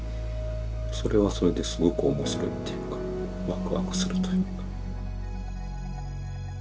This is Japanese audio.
それはそれですごく面白いっていうかワクワクするというか。